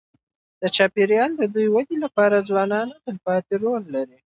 د چاپېریال د ودې لپاره ځوانان تلپاتې رول لري.